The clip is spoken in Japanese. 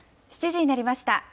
７時になりました。